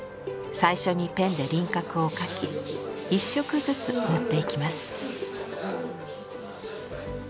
最初にペンで輪郭を描き一色ずつ塗っていきます。